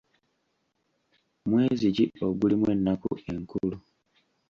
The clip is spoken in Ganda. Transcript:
Mwezi ki ogulimu ennaku enkulu?